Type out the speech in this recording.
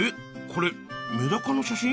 これメダカの写真？